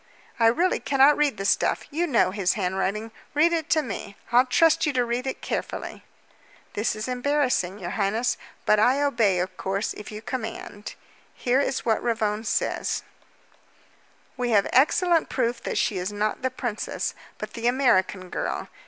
"I really cannot read the stuff. You know his handwriting. Read it to me. I'll trust you to read It carefully." "This is embarrassing, your highness, but I obey, of course, if you command. Here is what Ravone says: "'We have fresh proof that she is not the princess, but the American girl.